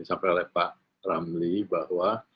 disampaikan oleh pak ramli bahwa